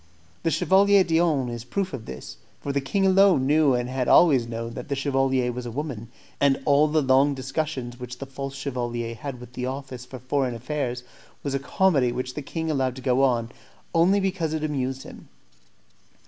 The Chevalier d'Eon is a proof of this, for the king alone knew and had always known that the chevalier was a woman, and all the long discussions which the false chevalier had with the office for foreign affairs was a comedy which the king allowed to go on, only because it amused him.